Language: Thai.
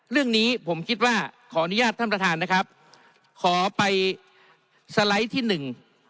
เรื่องนี้ผมคิดว่าขออนุญาตท่านประธานนะครับขอไปสไลด์ที่หนึ่ง